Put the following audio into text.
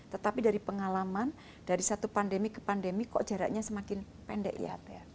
tetapi dari pengalaman dari satu pandemi ke pandemi kok jaraknya semakin pendek ya